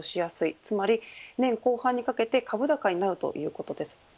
つまり年後半にかけて株高になるということです。